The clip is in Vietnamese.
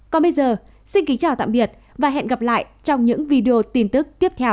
còn bây giờ xin kính chào tạm biệt và hẹn gặp lại trong những video tin tức tiếp theo